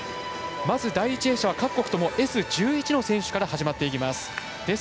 第１泳者は各国ともＳ１１の選手から始まっていきます。